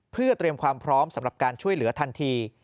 เพื่อเตรียมความพร้อมสำหรับการช่วยเหลือทันที